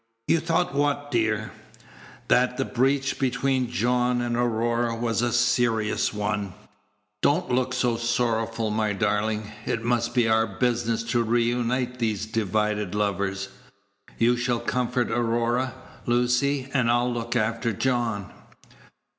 "You thought what, dear?" "That the breach between John and Aurora was a serious one. Don't look so sorrowful, my darling. It must be our business to reunite these divided lovers. You shall comfort Aurora, Lucy, and I'll look after John."